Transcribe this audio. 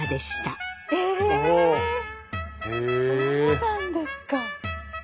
そうなんですか。